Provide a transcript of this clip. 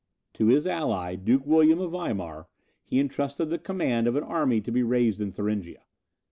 To his ally, Duke William of Weimar, he intrusted the command of an army to be raised in Thuringia.